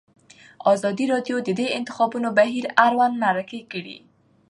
ازادي راډیو د د انتخاباتو بهیر اړوند مرکې کړي.